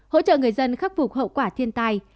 hỗ trợ người dân khắc phục hậu quả thiên tai